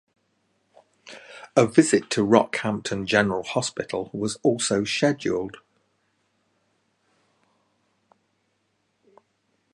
A visit to Rockhampton General Hospital was also scheduled.